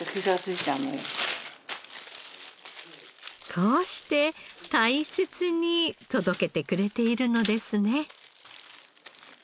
こうして大切に届けてくれているのですね。